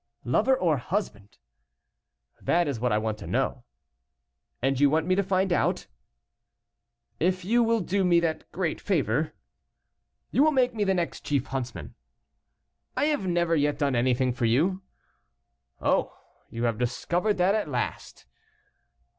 "Lover, or husband?" "That is what I want to know." "And you want me to find out?" "If you will do me that great favor " "You will make me the next chief huntsman." "I have never yet done anything for you." "Oh! you have discovered that at last."